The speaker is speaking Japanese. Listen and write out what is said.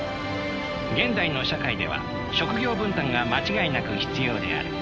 現代の社会では職業分担が間違いなく必要である。